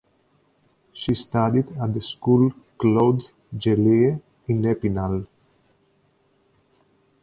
She studied at the school Claude Gellée in Epinal.